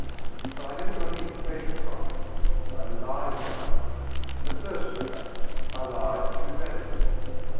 But I never got any pleasure from it. I lied about it. At first, perhaps, I lied through vanity.